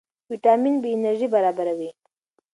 ویټامین بي انرژي برابروي.